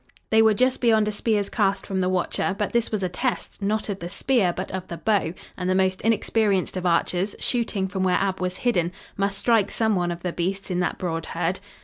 They were just beyond a spear's cast from the watcher, but this was a test, not of the spear, but of the bow, and the most inexperienced of archers, shooting from where Ab was hidden, must strike some one of the beasts in that broad herd.